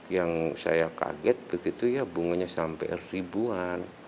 yang saya kaget begitu ya bunganya sampai ribuan